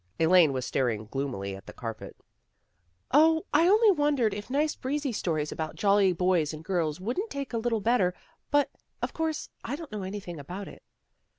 Elaine was staring gloomily at the carpet. " 0, I only wondered if nice breezy stories about jolly boys and girls wouldn't take a little better, but, of course, I don't know anything about it."